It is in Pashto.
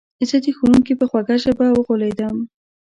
زه د ښوونکي په خوږه ژبه وغولېدم